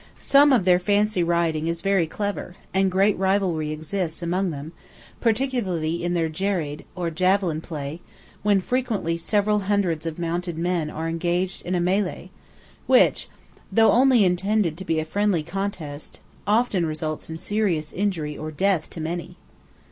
Some of their fancy riding is very clever, and great rivalry exists among them, particularly in their "jerīd," or javelin, play, when frequently several hundreds of mounted men are engaged in a mêlée, which, though only intended to be a friendly contest, often results in serious injury or death to many.